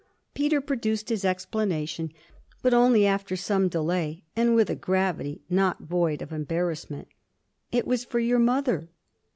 Peter produced his explanation, but only after some delay and with a gravity not void of embarrassment. 'It was for your mother.'